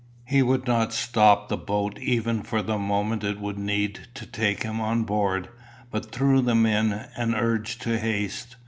He would not stop the boat even for the moment it would need to take him on board, but threw them in and urged to haste.